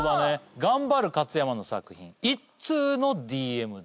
頑張るかつやまの作品「一通のＤＭで」